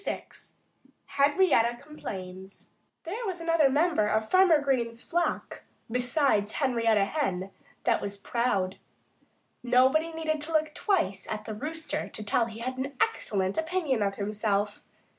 VI HENRIETTA COMPLAINS There was another member of Farmer Green's flock, besides Henrietta Hen, that was proud. Nobody needed to look twice at the Rooster to tell that he had an excellent opinion of himself.